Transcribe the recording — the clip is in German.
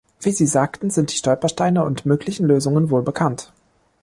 Wie Sie sagten, sind die Stolpersteine und möglichen Lösungen wohl bekannt.